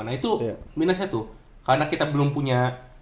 nah itu minusnya tuh karena kita belum punya